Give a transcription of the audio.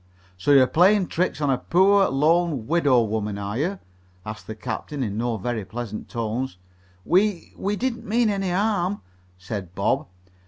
"So you're playing tricks on a poor, lone widow woman, are you?" asked the captain in no very pleasant tones. "We we didn't mean any harm," said Bob.